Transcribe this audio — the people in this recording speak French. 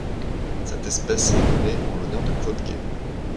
Cette espèce est nommée en l'honneur de Claude Gay.